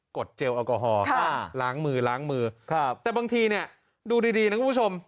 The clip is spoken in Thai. ดเจลแอลกอฮอล์ล้างมือล้างมือแต่บางทีเนี่ยดูดีนะคุณผู้ชม